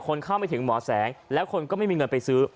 คนเข้าไปถึงมแสงและคนที่ไม่มีเงินไปซื้อ